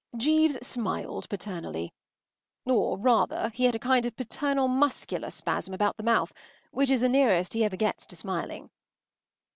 ” Jeeves smiled paternally. Or, rather, he had a kind of paternal muscular spasm about the mouth, which is the nearest he ever gets to smiling.